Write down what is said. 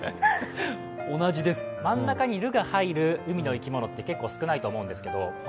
同じです、真ん中に「る」が入る海の生き物は結構少ないと思うんですけど。